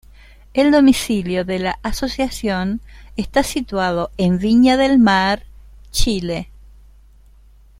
El domicilio de la asociación está situado en Viña del Mar, Chile.